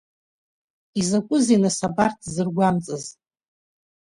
Изакәызеи нас абарҭзыргәамҵыз?